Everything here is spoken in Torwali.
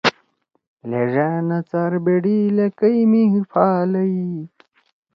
لیڙأ نہ څار بیڑیِلے کئی مھی حی پھالئی